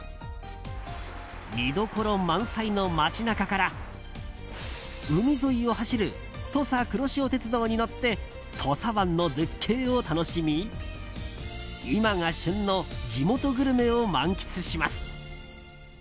見どころ満載の街中から海沿いを走る土佐くろしお鉄道に乗って土佐湾の絶景を楽しみ今が旬の地元グルメを満喫します。